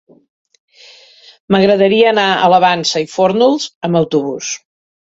M'agradaria anar a la Vansa i Fórnols amb autobús.